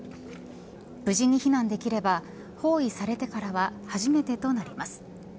無事に避難できれば包囲されてからは初めてとなります。